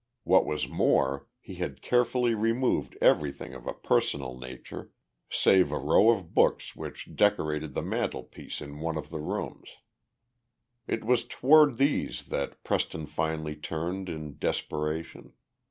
What was more, he had carefully removed everything of a personal nature, save a row of books which decorated the mantel piece in one of the rooms. It was toward these that Preston finally turned in desperation.